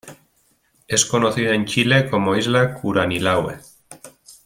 Es conocida en Chile como isla Curanilahue.